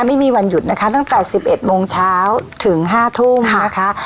ไม่มีวันหยุดนะคะตั้งแต่๑๑โมงเช้าถึง๕ทุ่มนะคะ